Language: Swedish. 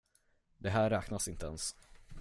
Det här räknas inte ens.